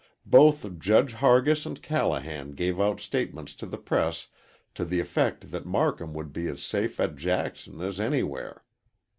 Both Judge Hargis and Callahan gave out statements to the press to the effect that Marcum would be as safe at Jackson as anywhere.